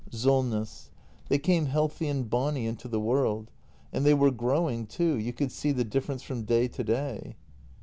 Solness. They came healthy and bonny into the world. And they were growing too — you could see the difference f"om day to day.